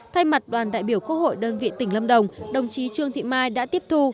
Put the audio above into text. thay mặt đoàn đại biểu quốc hội đơn vị tỉnh lâm đồng đồng chí trương thị mai đã tiếp thu